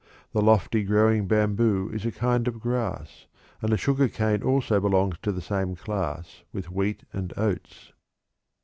The lofty growing bamboo is a kind of grass, and the sugar cane also belongs to the same class with wheat and oats."